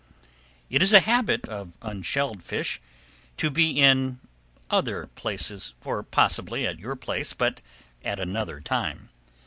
It is a habit of Unshelled Fish to be in other places, or, possibly, at your place, but at another time.